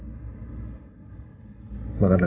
agna selalu paraner